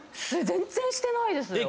全然してないですよ。